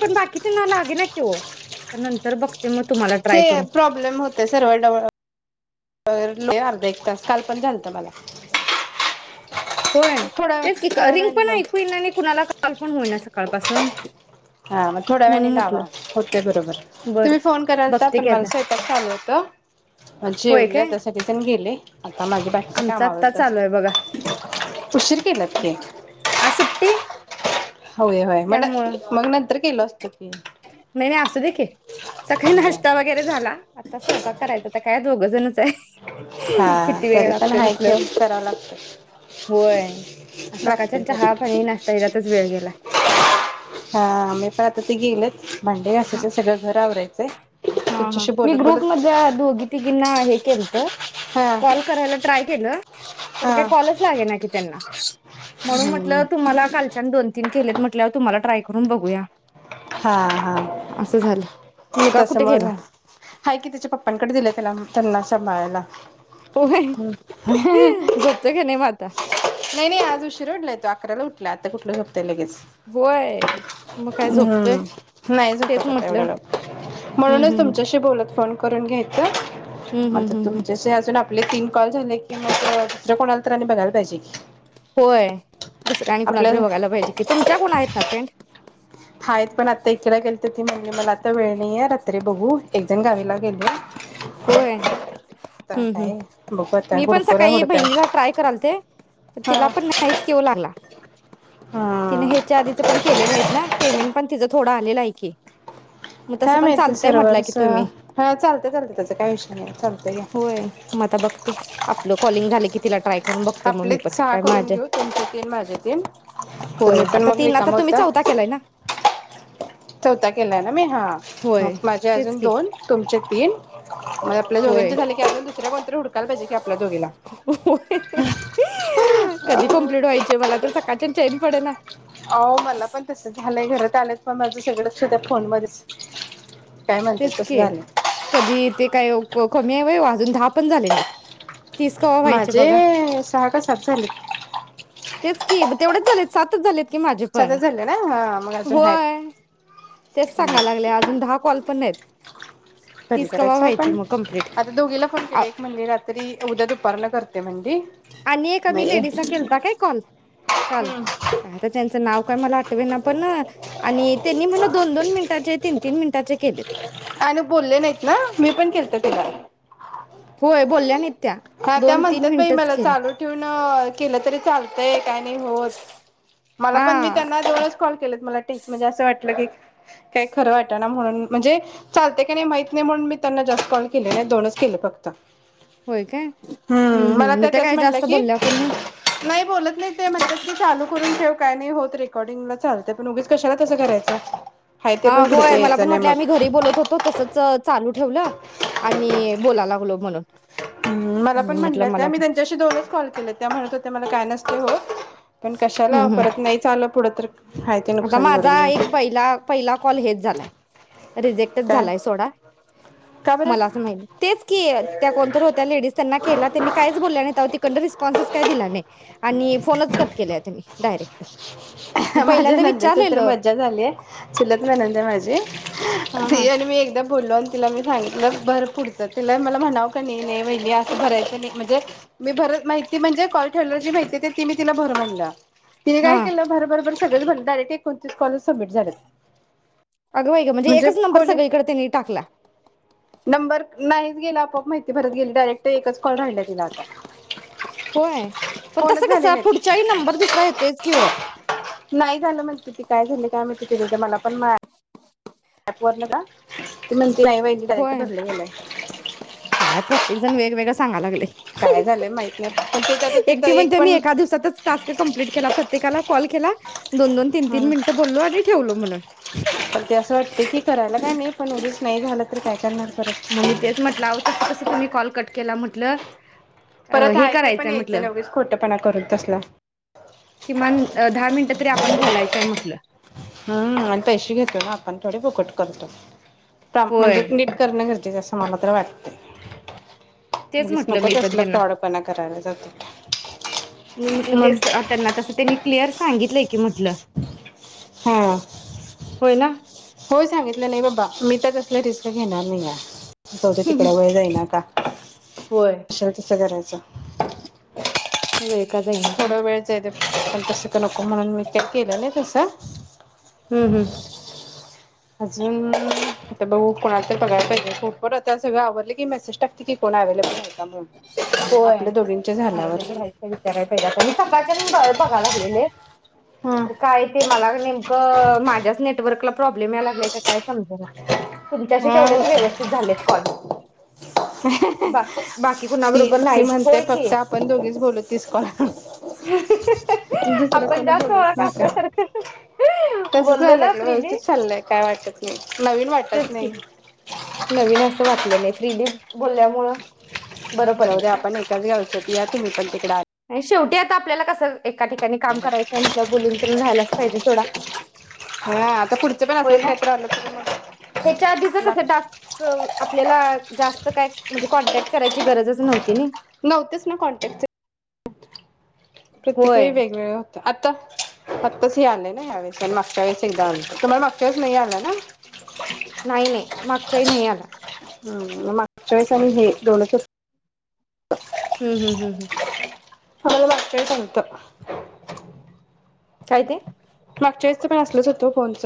पण बाकीचे ना लागे ना क हो नंतर बघते मग तुम्हाला ते ट्राय करू प्रॉब्लेम होते सर्वर डव अर्धा एक तास काल पण झालत मला होय थोड्या तेच की थोड्या रिंग वेळाने पण लाव ऐकू येईना आणि कुणाला कॉल पण होईना सकाळपासून हा मग थोड्या म्हणून वेळाने लावा म्हटलं होते बरोबर बरं तुम्ही फोन कराल तर बघते पण की मला आता स्वयंपाक चालू होत, मग होय जेवलं काय त्यासाठी पण गेले आता माझे बाकीच्या आमचा आत्ता कामावरत अस चालू आहे बघा [inaudible] उशीर केलात ते त्यामुळ नंतर केलो असतो की म्ह नाही असतू देखील स काही नाश्ता वगैरे झाला, आता स्वयंपाक करायचा तर काय दोघ जण हा किती वेळ तरी पण लागतोय हाय म्हटल की करावं लागतं होय सकाळच्या लागते तरी चहा - पाणी, नाश्तातच वेळ गेलाय. हा म्ही पण आता ते गेलच भांडे हा घासायचे सगळं घर आवरायचयं हा हा मी ग्रुप मध्ये अ दोगी त गिंना हे के तर हा कॉल करायला ट्राय केलं तर हा काय कॉलच लागे ना की त्यांना [unintelligible] म्हणून हम्म म्हटलं तुम्हाला कालच्या दोन - तीन केलेत म्हटल्यावर तुमला ट्राय करून बघूया हा हा असं झालं मुलगा कुठ त्याच्यामुळे हाय की त्याच्या पप्पांकडे दिलं त्याला त्यांना सांभाळायला हो झोपतो क नाही माता नाही नाही आज उशीर उडलाय तो अकराला उठला आता कुठलं लेच होय मग काय झोपतोय हम् नाही जात तेच आता एवढ म्हटलं ल हम्म म्हणूनच हम्म हम्म तुमच्याशी बोलत फोन करून घ्या [inaudible] हम्म हम्म आता हम्म हम्म तुमच्याशी अजून आपले तीन कॉल झाले कि मग दुसर कोणाला तर आणि बघायला पाहिजे की होय दुसर आणि कुणाला आपल्या तरी बघायला पाहिजे की तुमच्या कोणा आहेत ना फ्रेंड हायत पण आत्ता एकीला केला तर ती म्हणली मला आत्ता वेळ नाही ये रात्री बघू एक जण गावीला गेलोय होय हम्म काय बघू आता मी पण गुरुपुरा सकाळी हुडकाय बहिणीचा ट्राय कराल ते हा तिला पण नाहीच की ओ लागला तिने हा ह्याच्या आधीचे पण केलेले आहेत ना पेमेंट पण तिज थोडं आलेलं आहे की मग तसं काय पण माहिती चालतंय सर्व्हर म्हटलं की चा तुम्ही हा चालतय चालते त्याच होय म आता बघते आपलं कॉलिंग झालं की तला ट्राय करून बघते मग मी आपलेच पण सहा काय करून माझ्या घेऊ तुमचे तीन माझे तीन होय तुम्ही पण आता मग तीन आता रिकाम तुम्ही होता चौथा केलाय ना चोथा केलाय ना मी हां होय मग माझे तेच अजून की दोन तुमचे तीन मग आपल्या होय, दोघींचे झाले की अजून दुसऱ्या कोणतरी हुडकायला पाहिजे की आपल्या दोघीला. होय कधी कमप्लीट व्हायचे मला तर सकाळच्यान चैन पडे ना हो मला पण तस झालंय घरात आलेच पण माझं सगळं लक्ष त्या फोन मध्येच तेच की कधी ते काय कमी आहे व्हय व अजून दहा पण झाले नाहीत तीस कवा व्हायचे बघा माझे सहा का सात झाले तेच की तेवढेच झाले सातच झालेत की माझे पण सातच झाले ना हा मग अजून होय आहेत. तेच सांगाय लागलोय, अजून दहा कॉल पण नायत कधी करायचो आपण आता दोघीला फोन केले एक म्हणली रात्री उद्या दुपारन करते म्हणली आणि एका मी नाही लेडीज ला केल्ता काय कॉल. काल काय तर त्याचं ना काय मला आठवे ना पण न आणि त्यांनी म्हन दोन दोन मिनिटाचे तीन तीन मिनिटाचे केलेत. आण बोलले नाहीत ना मी पण केलत तिला होय बोलल्या नाहीत त्या हा त्या दोन तीन म्हणत्यात बाई मिनिटच मला केले चालू ठेवून केलं तरी चाल व्हय काय नाय होत. मला हा पण मी त्यांना दोनच कॉल केलेत मला तेच म्हणजे असं वाटलं की का खरं वाट ना म्हणून म्हणजे चालतय का नाही माहित नाही म्हणून मी त्यांना जास्त कॉल केले नाहीत दोनच केले फक्त होय काय हूं हम्म मला हम् मग त्या त्याच काय म्हटलं जास्त की बोलल्या पण नाही नाही बोलत नाही ते म्हणत्यात की चालू करून ठेव काय नाई होत रेकॉर्डिंगला चालतय पण उगीच कशाला तंस करायचं. हाय ते हा पण पुढचं होय मला यायचं पण नाही म्हटलं मग. आम्ही घरी बोलत होतो तसच चालू ठेवलं आणि बोलालाव लो म्हणून मला मी पण म्हटलं म्हणल्या त्या मला मी त्यांच्याशी दोनच कॉल केले त्या म्हणत होत्या....... ते मला काय नसत हो... पण कशाला हम्म हम् परत नाही चालं पुढं तर हाय ते आता नुकसान करून माझा एक घ्यायचं पहिला पहिला कॉल हेच झालाय.... रिजेक्टच काय झालाय सोडा का मला बरं? असं माही तेच की त्या कोणत तर होत्या लेडीज त्यांना केला त्यांनी काहीच बोलल्या नाही त्या त कंड रिस्पॉन्सच काय दिला नाही आणि फोनच कट केले त्यांनी डायरेक्ट....... नंदेची तर विचारलेलं मज्जाच आली चुलत नणंद ये माझी...... हा [inaudible] ते हा एरव्ही एकदम...... बोललो आणि तिला मी सांगितलं भर पुढचं तिला मला म्हणावं का नाही वाहिनी असं भरायचं नाही म्हणजे मी भरत नाहीत म्हणजे कॉल ठेव जी माहितीे ती मी तिला भर म्हणलं. तीन हा काय केल भर भर भर........ सगळच बंद डायरेक्ट एकोणतीस कॉल च..... अग बाई म्हणजे एकच नंबर? सगळीकडे तिनी टाकला. नंबर नाहीच गेलं आपआप माहिती परत गेली डायरेक्ट एकच कॉल राहिला तिला आता होय पण तस फोनच कस झाले नाहीत पुढचाही नंबर दुसरा येतोय किं ओ...... त मला पण माय..... प वरल का नाही होय [unintelligible] सांगा लागले...... काय झालंय माहित नाही.... पण ते आता एक त्याच ती म्हणती मी पण एका दिवसातच टास्क कंप्लीट केला प्रत्येकाला कॉल.... केला?? दोन दोन तीन तीन ह मिनट बोललो आणि ठवलो म्हणून पण ते असं वाटते की करायला काय नाही पण उगीच नाही झालं तर काय करणार परत मग मी तेच म्हटलं आओ तसं कस तुम्ही कॉल? कट केला म्हंटलं...... परत आहेा ते पण यायचं नाही खोटपणा करून तसला..... किमान दहा मिनिटं तरी आपण बोलायचंय म्हटलं.. हम् आणि पैसे घेतो ना आपण थोडे फुकट करतो होय म्हणजे नीट करणं गरजेचं........ माला तर वाटतंय तेच म्हटलं मी पण त्यांना करायला जातो मी म्हटलं मग तेच त्यांना तस त्यांनी क्लिअर सांगितलंय की म कूठलं हा होय ना होय सांगितलं नाही बाबा मी तर तसले रिस्क घेणार नाही या जाऊदे तिकड वय जाईना का होय अस तसं करायचं वे का जाईना का आणि तस तर नको म्हणून मी चक केला ना तसं हम्म हम्म अजून आता बघू कोणा तर बघायला पाहिजे फूप आता सगळ आवडले की मेसेज टाकते की कोण अव्हेलेबल हाय होय पण झाल्यावर अवेलेबल आहे विचारायला पाहिजे आता मी सका बघा लागलेले हा तर काय ते मला नेमक माझ्याच नेटवर्कला प्रॉब्लेम या लागलाय का काय समज तुमच्याशी हा तेवढेसे व्यवस्थित झालेत कॉल बा [unintelligible] बाकी ती कुणाबरोबर ती नाहीच् म्हणते होय की फक्त आपण दोघीच बोलू तीस कॉल दुसरं आपण कोण जास्तळ बोलूच नका काल्यासारख तसंच बोललो व्हायला ना लागलं प्रिली व्यवस्थित चाललंय काय वाटत नाही नवीन वाटत तेच कि नाही नवीन असं वाटत नाही फ्रीली बोलल्यामुळं बरं पडलं जाऊदे आपण एकच गावचे या तुम्ही पण तिकडे आत शेवटी आता आपल्याला कसं एक एका ठिकाणी काम करायचय म्हटलं बोलून राहीलाच पाहिजे सोडा हा आता पुढचं पण होय असलंच ना काहीतरी आलं तर मग हेच्या आदीच कस लाग टास्क आपल्याला जास्त काय म्हणजे कॉन्टॅक्ट करायची गरजच नव्हती नाई नव्हतेच ना कॉन्टॅक्ट प्रत्येक वेळी वेगवेगळं आता आत्ताच हे आलंय ना यावेेळेस आणि मागच्या वेळेस एकदा आलं तुम्हाला मागच्या वेळेस नाही आलं ना नाही नाही मागच्याही नाही आला हम् मग मागच्या वेळेस आणि हे दोनशार हम्म हम्म हम्म हम् [unintelligible] काय ते मागच्या वेळेसच पण असलच होतं फोनच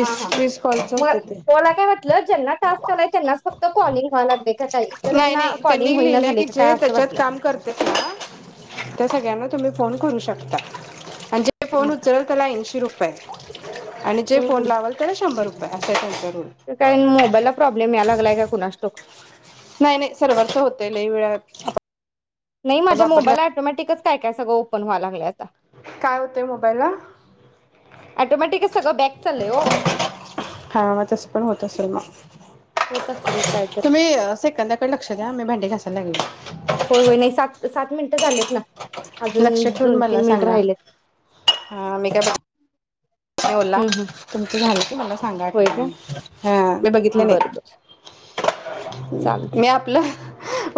हा हा वीस कॉलच मग होतं ते मला काय वाटलं ज्यांना तलाय त्यांना फक्तॉलिंग व्हा लाग का काय इतर नाही ह्यांना नाही कॉलिंग त्यांनी होईना लिहिलंय झाले की का काय जे असं त्याच्यात वाटलं. काम करतेत ना तर सगळ्यांना तुम्ही फोन करू शकता.... आणि जे फोन उचलल त्याला ऐंशी रुपये.... [inaudible] आणि जे फोन लावाल त्याला शंभर रुपये. [inaudible] काय मोबाईलला प्रॉब्लेम यायला लागलाय का कुणास ठाऊक? नाही नाही सर्वच होतय लई वेळ [inaudible] नाही माझ्या मोबाईला ऑटोमॅटिकच....... काय काय सगळ ओपन व्हायला लागलं आता...... काय होतय मोबाईलला ऑटोमॅटिकच सगळं बॅक [inaudible] चाललंय ओ. हाय तस पण होत असेल मग होत असेल काय तर तुम्ही सेकंदाकडे लक्ष द्या मी भांडे घास..... [inaudible] होय होय नाही सात सात मिनिटं झालेत ना... लक्ष अजून ठेवून दोन मला तीन मिनिटं सांगा राहिलेत. ह मी का.... ओला हम्म हम्म तुमचं झालं???? मला.... सांगाट होय का [inaudible] हा मी बघितले नाही..... बरं बर चालते मी आपलं.....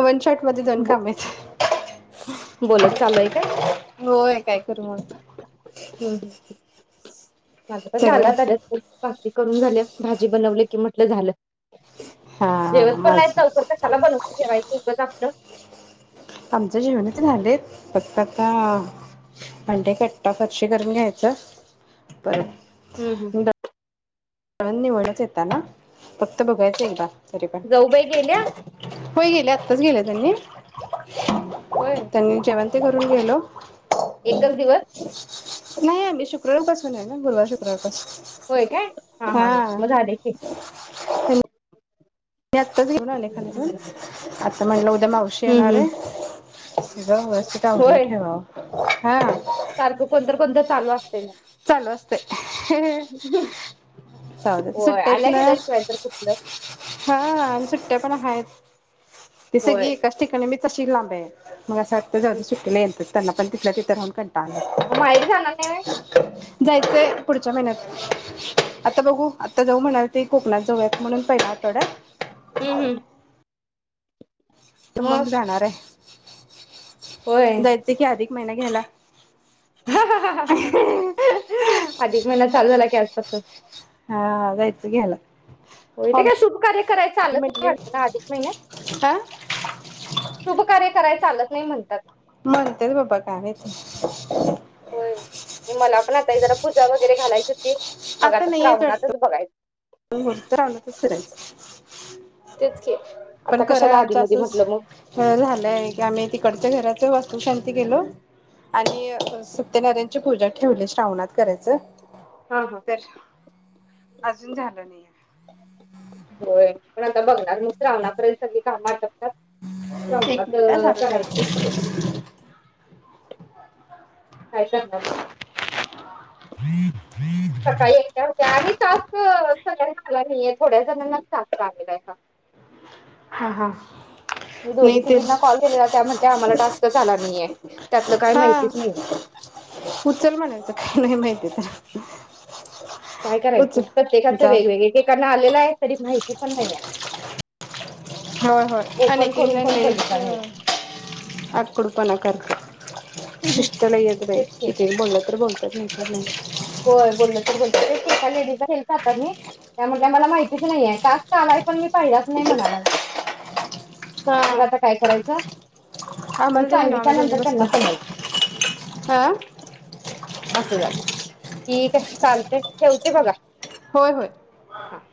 वन शॉट मध्ये दोन ब कामयत बोलत चालू आहे का? [inaudible] होय काय करू मग माझ पण झाला सगळं [inaudible] भाकरी करून झाल्या भाज...... भाजी बनवलं की म्हटल झालं. हा जेवत पण नाहीत माझं लवकर कशाला बनुन ठेवायच उगंच आपलं... आमच्या जेणाच झालेत फक्त आता भांडे कट्टा फरशी करून घ्यायच परत हूं हूं निवडाच येता ना फक्त बघायचं एकदा तरी पण जाऊबाई गेल्या होय गेल्या आत्ताच गेल्या त्यांनी होय त्यांनी जेवण ते करून एक गेलो. एकच दिवस नाय आम्ही शुक्रवारपासून आहे ना गुरुवार शुक्रवारपासून होय काय? हा मग झाले की. हा [inaudible] म आत्ता घऊ ना लेखा हम्म प [unintelligible] उद्या मावशी येणार हम्म. आहे वस्थित अवरून होय ठेवा ह [unintelligible] सारखं कोणतर कोण चालू असते ना चालू असते जाऊ द्या होय सुट्ट्या आहेत आल्या ना? गेल्याशिवाय तर कुठलं हा आणि सुट्ट्या पण हा ते सगळ होय एकाच ठिकाणी मिळ तशी लांब मग सात तर जाऊं सुटलेला यंतच त्यांना पण तिथल्या तिथं राहून कंटाळा आला म माहेर जाणार नाही जायचंय पुढच्या महिन्यात आता बघू आता जाऊ म्हणालते कोकणात जाऊयात म्हणून पहिला आठवड्यात हम्म हम्म तर मग जाणार आहे होय. दय की अधिक महिना घ्यायला अधिक महिना चालू झाला कॅल्पस हा जायचं घ्याला हो का शुभ कार्य करायचं आलं त वाटत म्हटलेली ना अधिक महिन्यात, हा शुभ कार्य करायचं आलं नाही म्हणतात मरतेत बाबा का यकी होय म मला जरा पूजा वगैरे घालाची आता नाही येत वाटतो [unintelligible] फिरायच तेच की पण आता करा कशाला आधी आमचं मधी म्हटलं मग असंच झालंय की आम्ही तिकडच्या घराच वास्तु शांती केलो आणि सत्यनारायची पूजा ठेवली श्रावणात करायचं हा हा तर, अजून झालं नाही आहे होय पण आता बघणार मग श्रावणापर्यंत सगली काम आता एक मिनिटा चालू करायची होते ठेव फॅशन झा [unintelligible] सकाळी एकट्या होत्या आणि टास्क सगळ्यांना आला नाहीये थोड्या जणांनाच टास्क आलेला आहे हा हा हा मी दोघी नाही तेच तिघींना कॉल केलेला त्या म्हणत्या आम्हाला टास्कच आला नाहीये. त्यातलं काही हा माहितीच नाहीये. उचल म्हणायचं काही नाही माहिती तर काय करायचं उचल प्रत्येकाच जा वेगवेगळ आलेलं आहे तरी माहिती पण नाये होय होय आणि तिझा लैच बघितला नाहीये आकडूपणा करता शिस्त नाही बाई तेच की कितीही बोलल तर बोल रिकामा ऑडिओ [unintelligible] होय बोलल तर बोलतय तेच का लेडीज हेल् जातात मी त्या म्हट मला माहितीच नाहीे टास्क आलाय पण मी पाहिलाच नाही म्हणा लागले हा मग आता काय करायचं मी आम्हाला ते म्हणा सांगितल्या आम्ही दोघी नंतर बसतो त्यांना समज हा असं का ठीक आहे चालते ठेवते बगा होय होय हो